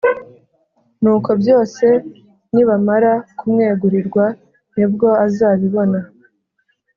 Nuko byose nibamara kumwegurirwa ni bwo azabibona